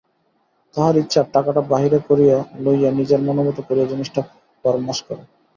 তাহার ইচ্ছা, টাকাটা বাহির করিয়া লইয়া নিজের মনোমত করিয়া জিনিসটা ফরমাশ করে।